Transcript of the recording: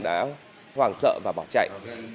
đã hoảng sợ và bỏ chạy